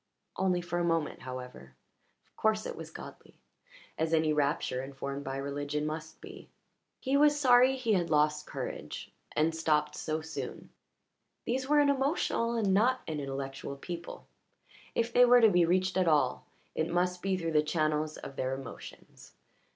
Only for a moment, however, of course it was godly, as any rapture informed by religion must be. He was sorry he had lost courage and stopped so soon. These were an emotional and not an intellectual people if they were to be reached at all, it must be through the channels of their emotions.